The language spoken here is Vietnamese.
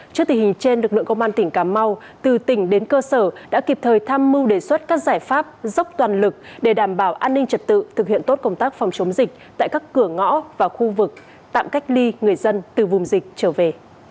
trước tình hình trên lực lượng công an tỉnh cà mau từ tỉnh đến cơ sở đã kịp thời tham mưu đề xuất các giải pháp dốc toàn lực để đảm bảo an ninh trật tự thực hiện tốt công tác phòng chống dịch tại các cửa ngõ và khu vực tạm cách ly người dân từ vùng dịch trở về